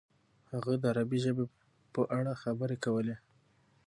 هغه د عربي ژبې په اړه خبرې کولې.